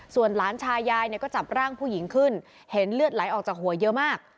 ส่วนหลานชายยายเนี่ยก็จับร่างผู้หญิงขึ้นเห็นเลือดไหลออกจากหัวเยอะมาก